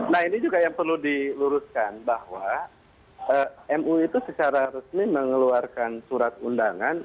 nah ini juga yang perlu diluruskan bahwa mui itu secara resmi mengeluarkan surat undangan